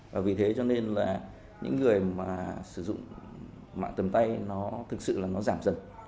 và vì thế cho nên là những người mà sử dụng mạng tầm tay nó thực sự là nó giảm dần